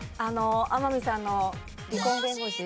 天海さんの『離婚弁護士』。